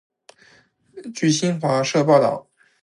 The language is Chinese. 据新华社报道